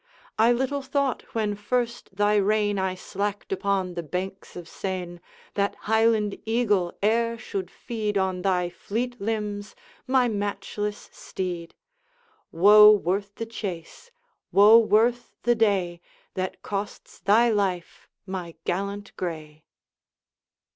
'I little thought, when first thy rein I slacked upon the banks of Seine, That Highland eagle e'er should feed On thy fleet limbs, my matchless steed! Woe worth the chase, woe worth the day, That costs thy life, my gallant gray!'